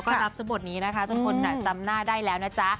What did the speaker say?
ก็รับบทนี้นะคะจนคนจำหน้าได้แล้วนะจ๊ะ